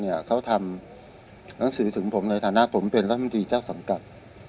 เขาทำหนังสือถึงผมในฐานะผมเป็นรัฐมนตรีเจ้าสังกัด